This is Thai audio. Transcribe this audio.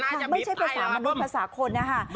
ไม่ใช่ภาษามนุษย์ภาษาคนนะคะ